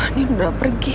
waduh nino udah pergi